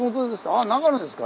「ああ長野ですか」